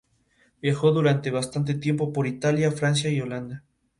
Viajó durante bastante tiempo por Italia, Francia y Holanda.